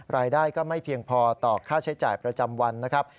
รายได้ก็ไม่เพียงพอต่อค่าใช้จ่ายประจำวันนะครับ